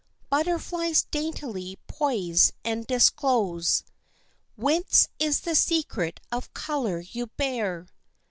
Butterflies daintily poise and disclose, Whence is this secret of color you bear?